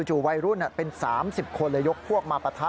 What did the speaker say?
วัยรุ่นเป็น๓๐คนเลยยกพวกมาปะทะ